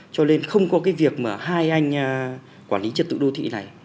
cho nên không có cái việc mà hai anh quản lý trật tự đô thị này